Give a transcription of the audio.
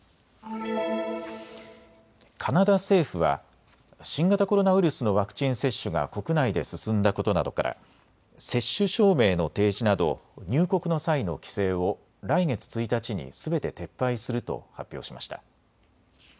カナダ政府は新型コロナウイルスのワクチン接種が国内で進んだことなどから接種証明の提示など入国の際の規制を来月１日にすべて撤廃すると発表しました。